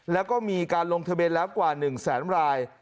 แล้วก็มีการลงทะเบียนแล้วกว่า๑แสนราย